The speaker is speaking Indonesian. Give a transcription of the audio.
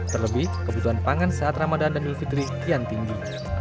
terlebih kebutuhan pangan saat ramadan dan yufidri kian tinggi